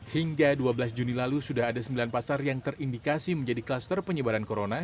hingga dua belas juni lalu sudah ada sembilan pasar yang terindikasi menjadi kluster penyebaran corona